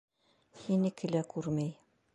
Һинеке лә күрмәй!